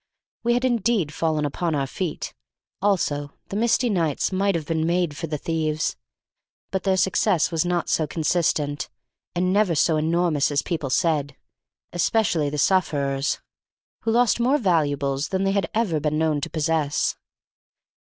We had indeed fallen upon our feet. Also, the misty nights might have been made for the thieves. But their success was not so consistent, and never so enormous as people said, especially the sufferers, who lost more valuables than they had ever been known to possess.